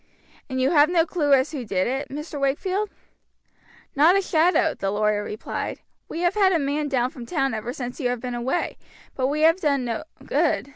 "And you have no clue as who did it, Mr. Wakefield?" "Not a shadow," the lawyer replied. "We have had a man down from town ever since you have been away, but we have done no good.